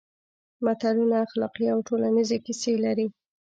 متلونه اخلاقي او ټولنیزې کیسې لري